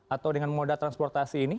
atau dengan moda transportasi ini